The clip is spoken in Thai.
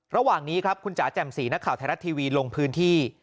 ระหว่างนี้ครับคุณจ๋าแจ่มสีนักข่าวไทยรัฐทีวีลงพื้นที่